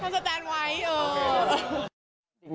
ว่าครับสแตนไวท์